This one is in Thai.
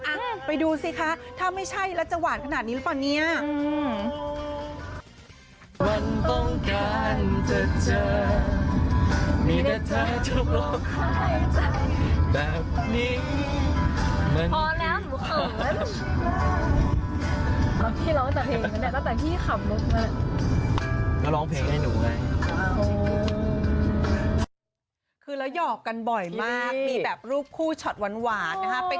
อ่ะไปดูสิคะถ้าไม่ใช่แล้วจะหวานขนาดนี้หรือเปล่าเนี่ย